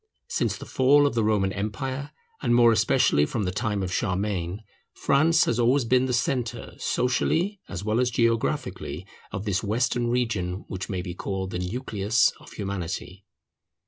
Since the fall of the Roman empire, and more especially from the time of Charlemagne, France has always been the centre, socially as well as geographically, of this Western region which may be called the nucleus of Humanity.